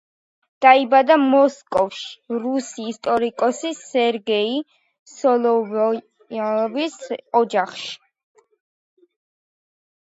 დაიბადა მოსკოვში რუსი ისტორიკოსი სერგეი სოლოვიოვის ოჯახში.